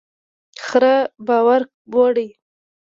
خره بار وړي.